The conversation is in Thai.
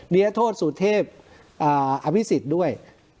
เรียกโทษสูตรเทพค์อพิษิศริย์ด้วย